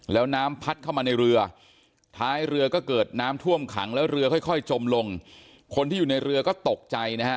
แล้วน้ำพัดเข้ามาในเรือท้ายเรือก็เกิดน้ำท่วมขังแล้วเรือค่อยค่อยจมลงคนที่อยู่ในเรือก็ตกใจนะฮะ